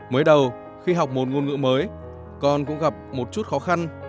mới đầu khi học một ngôn ngữ mới con cũng gặp một chút khó khăn